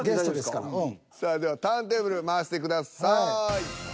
さあではターンテーブル回してください。